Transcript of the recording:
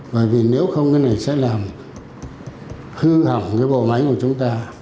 bởi vì nếu không cái này sẽ làm hư hỏng cái bộ máy của chúng ta